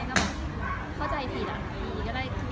ทุกอย่างก็แบบเข้าใจได้และไม่มีตะมาราวเซี้ย